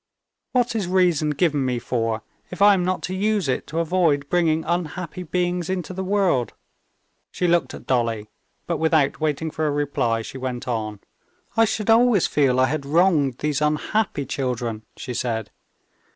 "What is reason given me for, if I am not to use it to avoid bringing unhappy beings into the world!" She looked at Dolly, but without waiting for a reply she went on: "I should always feel I had wronged these unhappy children," she said.